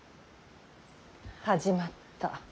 始まった。